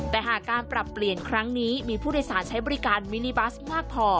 แต่หากการปรับเปลี่ยนครั้งนี้มีผู้โดยสารใช้บริการมินิบัสมากพอ